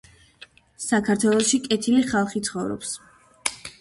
საქართველოში კეთილი ხალხი ცხოვრობს.